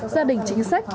gia đình chính sách